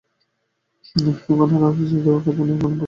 এখন তাকে আর প্রশ্রয় দেওয়া নয়, তাকে অবজ্ঞা করবার দিন এসেছে।